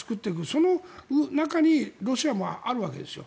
その中にロシアもあるわけです。